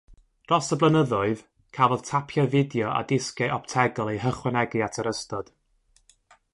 Dros y blynyddoedd, cafodd tapiau fideo a disgiau optegol eu hychwanegu at yr ystod.